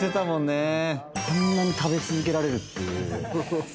あんなに食べ続けられるっていう。